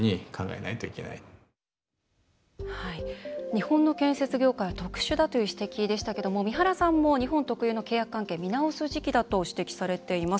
日本の建設業界は特殊だという指摘でしたけども三原さんも、日本特有の契約関係見直す時期だと指摘されています。